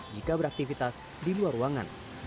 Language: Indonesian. jika beraktivitas di luar ruangan